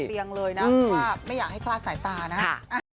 เตียงเลยนะเพราะว่าไม่อยากให้คลาดสายตานะ